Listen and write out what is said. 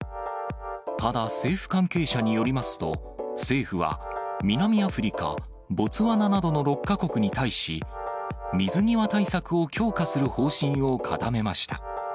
ただ、政府関係者によりますと、政府は、南アフリカ、ボツワナなどの６か国に対し、水際対策を強化する方針を固めました。